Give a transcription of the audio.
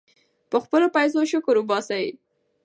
په خپلو پیسو شکر وباسئ.